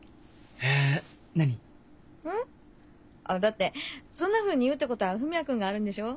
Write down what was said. あだってそんなふうに言うってことは文也君があるんでしょ。